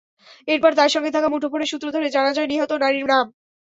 এরপর তাঁর সঙ্গে থাকা মুঠোফোনের সূত্র ধরে জানা যায়, নিহত নারীর নাম।